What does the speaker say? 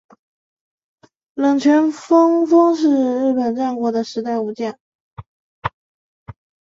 冷泉隆丰是日本战国时代的武将。